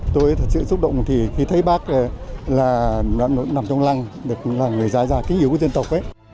tôi thật sự xúc động khi thấy bác nằm trong lăng là người giai gia kinh yếu của dân tộc